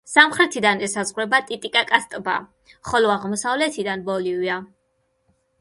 სამხრეთიდან ესაზღვრება ტიტიკაკას ტბა, ხოლო აღმოსავლეთიდან ბოლივია.